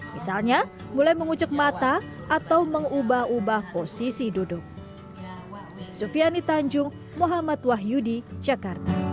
misalnya mulai mengucuk mata atau mengubah ubah posisi duduk